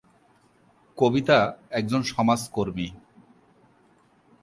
কবিতা একজন সমাজকর্মী।